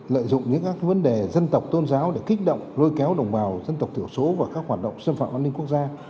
lợi dụng những các vấn đề dân tộc tôn giáo để kích động lôi kéo đồng bào dân tộc thiểu số và các hoạt động xâm phạm an ninh quốc gia